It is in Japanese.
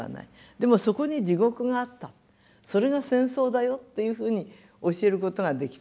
でもそこに地獄があったそれが戦争だよっていうふうに教えることができた。